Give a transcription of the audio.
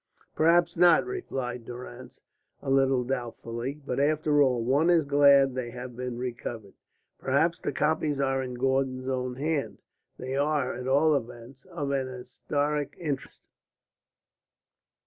"Perhaps not," replied Durrance, a little doubtfully. "But after all, one is glad they have been recovered. Perhaps the copies are in Gordon's own hand. They are, at all events, of an historic interest."